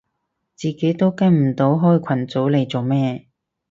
自己都跟唔到開群組嚟做咩